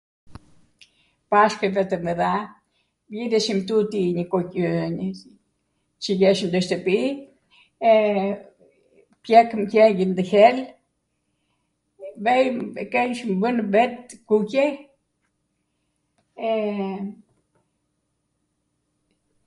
Pashkwve tw mwdha mbjidheshim tuti nikoqirw qw jeshwm nw shtwpi, e pjekwm qwngjin ndw hell, vejm, keshwm vwnw ve tw kuqe, e...